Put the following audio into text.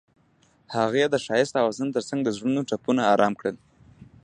هغې د ښایسته اوازونو ترڅنګ د زړونو ټپونه آرام کړل.